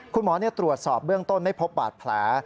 คุณหมอตรวจสอบเบื้องต้นไม่พบบาดแผล